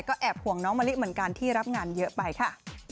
แอบห่วงน้องมะลิเหมือนกันที่รับงานเยอะไปค่ะ